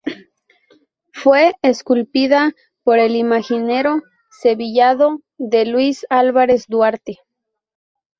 Fue esculpida por el imaginero sevillano D. Luis Álvarez Duarte.